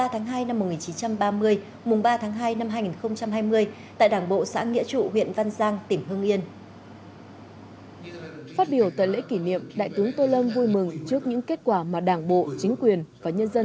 hãy đăng ký kênh để ủng hộ kênh của chúng mình nhé